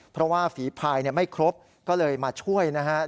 เพราะว่าฝีพายไม่ครบก็เลยมาช่วยนะครับ